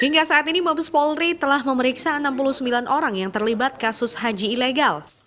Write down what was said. hingga saat ini mabes polri telah memeriksa enam puluh sembilan orang yang terlibat kasus haji ilegal